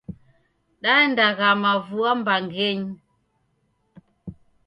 Daenda ghama vua mbangenyi.